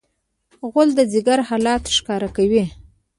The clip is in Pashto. غول د ځیګر حالت ښکاره کوي.